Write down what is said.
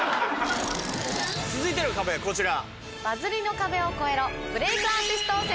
続いての壁はこちら。